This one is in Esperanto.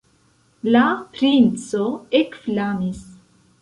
La princo ekflamis.